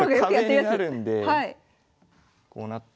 壁になるんでこうなって。